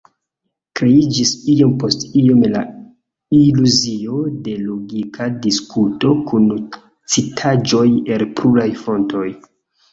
Kreiĝis iom post iom la iluzio de logika diskuto kun citaĵoj el pluraj fontoj.